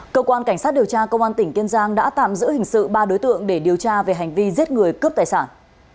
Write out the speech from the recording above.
cơ quan cảnh sát điều tra công an tỉnh kiên giang đã tạm giữ hình sự ba đối tượng để điều tra về hành vi giết người cướp tài sản